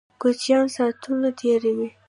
کوچینان ساتونه تیروي